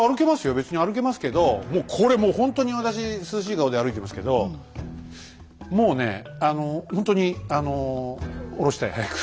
別に歩けますけどもうこれもうほんとに私涼しい顔で歩いてますけどもうねあのほんとにあの下ろしたい早く。